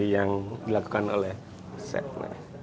yang dilakukan oleh set menu